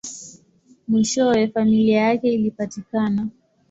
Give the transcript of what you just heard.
Mwishowe, familia yake ilipatikana.